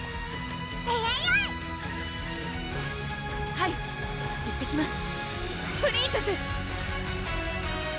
はいいってきますプリンセス！